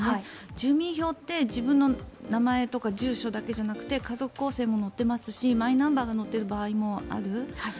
住民票って自分の名前とか住所だけじゃなくて家族構成も載っていますしマイナンバーが載っている場合もある。